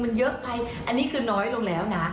มันเยอะไปอันนี้คือน้อยลงแล้วนะ